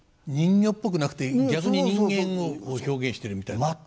人形っぽくなくて逆に人間を表現してるみたいな。